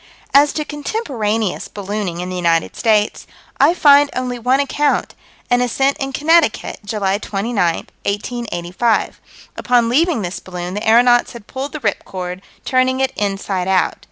As to contemporaneous ballooning in the United States, I find only one account: an ascent in Connecticut, July 29, 1885. Upon leaving this balloon, the aeronauts had pulled the "rip cord," "turning it inside out."